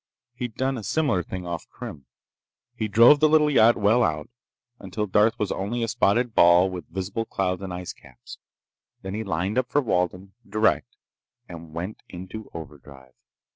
He'd done a similar thing off Krim. He drove the little yacht well out, until Darth was only a spotted ball with visible clouds and ice caps. Then he lined up for Walden, direct, and went into overdrive.